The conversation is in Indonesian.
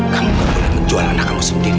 kamu nggak boleh menjual anak kamu sendiri